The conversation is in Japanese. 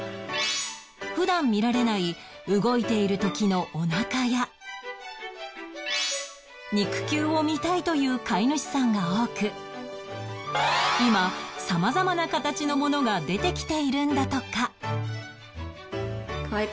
普段見られない動いている時のお腹や肉球を見たいという飼い主さんが多く今様々な形のものが出てきているんだとか